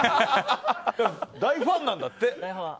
大ファンなんだって。